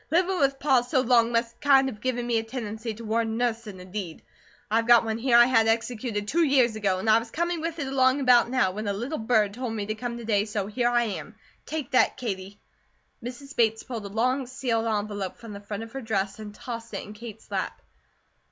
Livin' with Pa so long must kind of given me a tendency toward nussin' a deed. I've got one here I had executed two years ago, and I was a coming with it along about now, when 'a little bird tole me' to come to day, so here I am. Take that, Katie." Mrs. Bates pulled a long sealed envelope from the front of her dress and tossed it in Kate's lap.